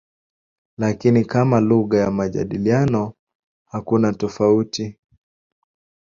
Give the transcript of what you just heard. Lakini kama lugha ya majadiliano hakuna tofauti.